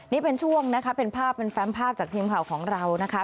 นี่เป็นช่วงนะคะเป็นภาพเป็นแฟมภาพจากทีมข่าวของเรานะคะ